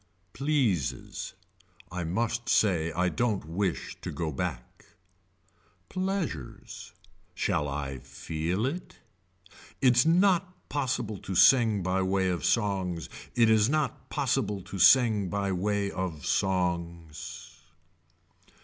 Pleases. I must say I don't wish to go back. Pleasures. Shall I feel it. Its not possible to sing by way of songs, it is not possible to sing by way of songs.